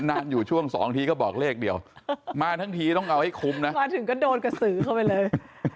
นานอยู่ช่วงสองทีก็บอกเลขเดียวมาทั้งทีต้องเอาให้คุ้มนะมาถึงก็โดนกระสือเข้าไปเลย